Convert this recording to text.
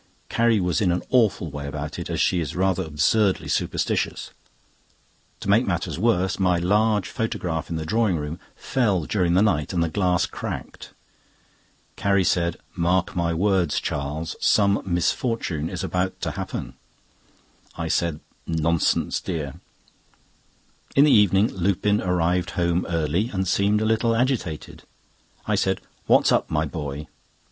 Carrie was in an awful way about it, as she is rather absurdly superstitious. To make matters worse, my large photograph in the drawing room fell during the night, and the glass cracked. Carrie said: "Mark my words, Charles, some misfortune is about to happen." I said: "Nonsense, dear." In the evening Lupin arrived home early, and seemed a little agitated. I said: "What's up, my boy?"